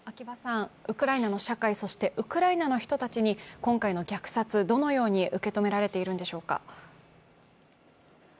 ウクライナの社会、そしてウクライナの人たちに今回の虐殺、どのように受け止められているのでしょうか？